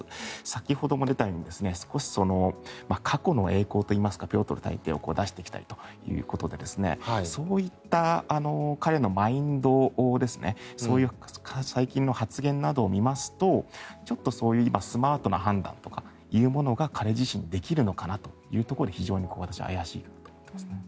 先ほども出たように少し過去の栄光といいますかピョートル大帝を出してきたりということでそういった彼のマインドそういう最近の発言などを見ますとスマートな判断というものが彼自身、できるのかなというところで非常に怪しいと思っていますね。